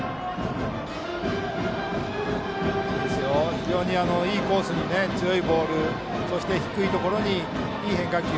非常にいいコースに強いボールそして低いところに、いい変化球。